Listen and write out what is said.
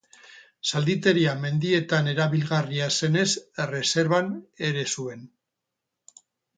Zalditeria mendietan erabilgarria ez zenez erreserban ere zuen.